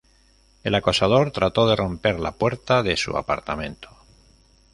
El acosador, trató de romper la puerta de su apartamento.